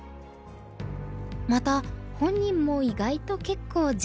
また本人も意外と結構自由でした。